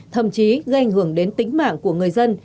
thậm chí gây ảnh hưởng đến tính mạng của người dân